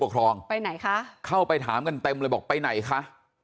ไปไหนคะเข้าไปถามกันเต็มเลยบอกไปไหนคะ